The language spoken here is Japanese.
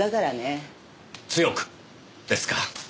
強く！ですか。